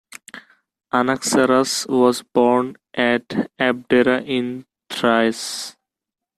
Anaxarchus was born at Abdera in Thrace.